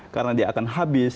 karena dia akan habis